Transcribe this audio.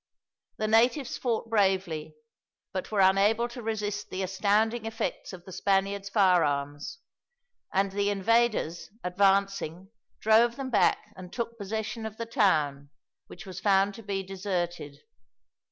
The natives fought bravely, but were unable to resist the astounding effect of the Spaniards' firearms; and the invaders, advancing, drove them back and took possession of the town, which was found to be deserted.